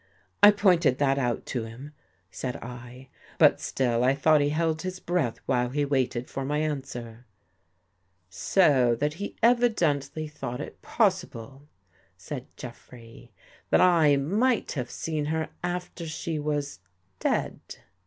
" I pointed that out to him," said I. " But still, I thought he held his breath while he waited for my answer." " So that he evidently thought it possible," said (Jeffrey, " that I might have seen her after she was — dead.